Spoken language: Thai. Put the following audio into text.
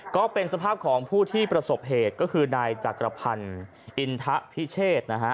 ก็เป็นสภาพของผู้ที่ประสบเหตุก็คือนายจักรพันธ์อินทะพิเชษนะฮะ